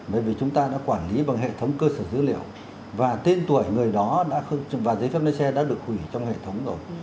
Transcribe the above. bởi vì chúng ta đã quản lý bằng hệ thống cơ sở dữ liệu và tên tuổi người đó và giấy phép lấy xe đã được hủy trong hệ thống rồi